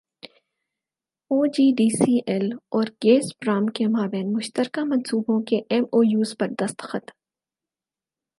او G D C L اور Gazprom کے مابین مشترکہ منصوبوں کے ایم او یوز پر دستخط